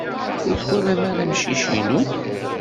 Ur twalam ara amcic-inu?